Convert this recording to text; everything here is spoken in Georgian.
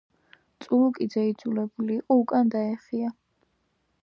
წულუკიძე იძულებული იყო უკან დაეხია.